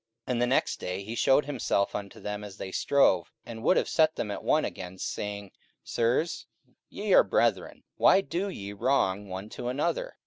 44:007:026 And the next day he shewed himself unto them as they strove, and would have set them at one again, saying, Sirs, ye are brethren; why do ye wrong one to another?